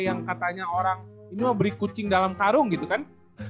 yang katanya orang ini mau beri kucing dalam karung gitu kan